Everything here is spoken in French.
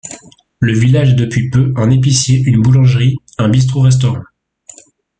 Le village a depuis peu un épicier, une boulangerie, un bistro-restaurant.